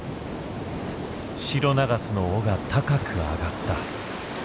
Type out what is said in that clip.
シロナガスの尾が高く上がった。